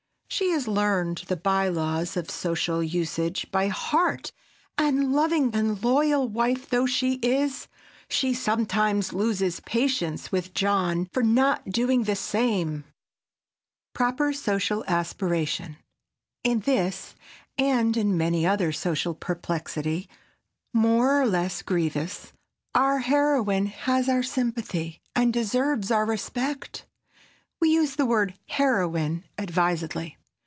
She has learned the by laws of social usage by heart, and, loving and loyal wife though she is, she sometimes loses patience with John for not doing the same. [Sidenote: PROPER SOCIAL ASPIRATION] In this, and in many another perplexity, more or less grievous, our heroine has our sympathy and deserves our respect. We use the word "heroine" advisedly.